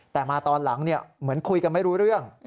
แต่มาตอนหลังเหมือนคุยกันไม่รู้เรื่อง